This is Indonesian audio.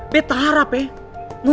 betta harap ya